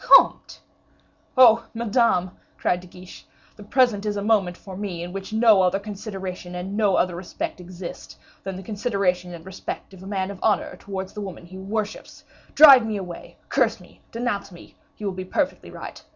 "Comte!" "Oh! Madame," cried De Guiche, "the present is a moment for me, in which no other consideration and no other respect exist, than the consideration and respect of a man of honor towards the woman he worships. Drive me away, curse me, denounce me, you will be perfectly right.